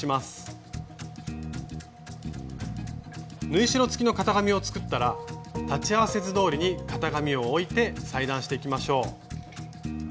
縫い代つきの型紙を作ったら裁ち合わせ図どおりに型紙を置いて裁断していきましょう。